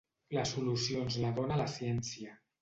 La solució ens la dóna la ciència.